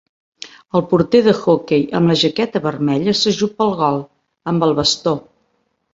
El porter d'hoquei amb la jaqueta vermella s'ajup pel gol, amb el bastó.